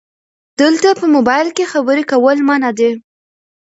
دلته په مبایل کې خبرې کول منع دي 📵